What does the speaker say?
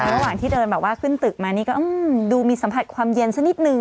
ระหว่างที่เดินแบบว่าขึ้นตึกมานี่ก็ดูมีสัมผัสความเย็นสักนิดนึง